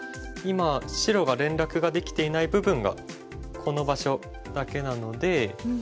今白が連絡ができていない部分がこの場所だけなので。